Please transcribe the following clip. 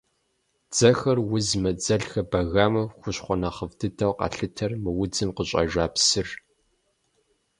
Дзэхэр узмэ, дзэлхэр бэгамэ – хущхъуэ нэхъыфӏ дыдэу къалъытэр мы удзым къыщӏэжа псыр.